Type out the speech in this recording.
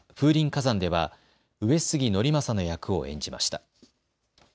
火山では上杉憲政の役を演じました。